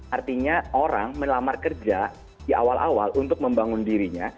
artinya orang melamar kerja di awal awal untuk membangun dirinya